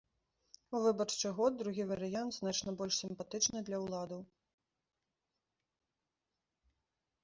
У выбарчы год другі варыянт значна больш сімпатычны для ўладаў.